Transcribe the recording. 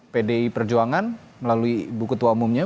pdi perjuangan melalui ibu ketua umumnya